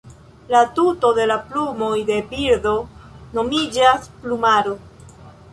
La tuto de la plumoj de birdo nomiĝas "plumaro".